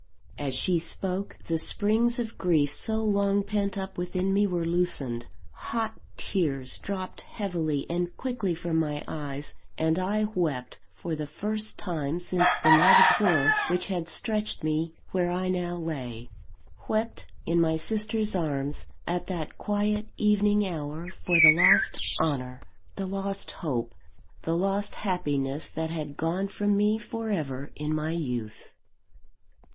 As she spoke, the springs of the grief so long pent up within me were loosened; hot tears dropped heavily and quickly from my eyes; and I wept for the first time since the night of horror which had stretched me where I now lay wept in my sister's arms, at that quiet evening hour, for the lost honour, the lost hope, the lost happiness that had gone from me for ever in my youth!